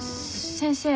先生